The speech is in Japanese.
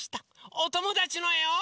おともだちのえを。